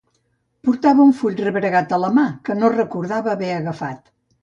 Portava un full rebregat a la mà que no recordava haver agafat.